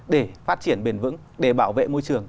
để phát triển bền vững để bảo vệ môi trường